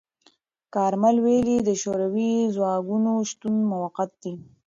کارمل ویلي، د شوروي ځواکونو شتون موقت دی.